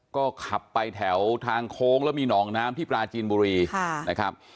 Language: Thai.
ก็ขับไปแถวทางโค้งแล้วมีหนองน้ำที่ปลาจีนบุรีนะครับ